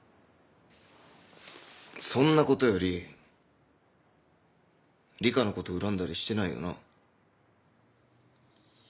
そんなことより梨花のこと恨んだりしてないよな？